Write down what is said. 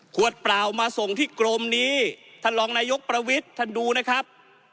เปล่ามาส่งที่กรมนี้ท่านรองนายกประวิทย์ท่านดูนะครับ